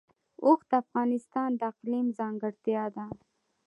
اوښ د افغانستان د اقلیم ځانګړتیا ده.